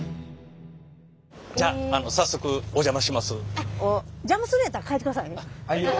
じゃああの早速お邪魔します。